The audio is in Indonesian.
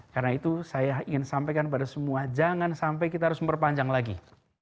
karena itu saya ingin sampaikan kepada semua jangan sampai kita harus memperpanjang lagi